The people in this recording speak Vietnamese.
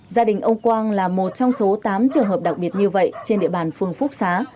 gia đình ông quang là một trong số tám trường hợp đặc biệt như vậy trên địa bàn phường phúc xá